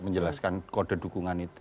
menjelaskan kode dukungan itu